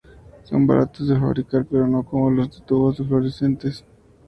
Son baratos de fabricar, pero no como los de tubos fluorescentes.